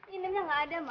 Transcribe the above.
inemnya nggak ada mas